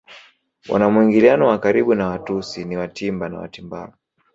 Wana mwingiliano wa karibu na Watutsi ni Watimba na Watimbaru